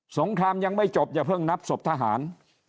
งครามยังไม่จบอย่าเพิ่งนับศพทหาร